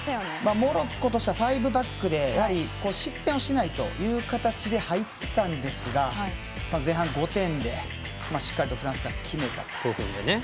モロッコとしては５バック失点をしないという形で入ったんですが前半５分でフランスがしっかりと決めたと。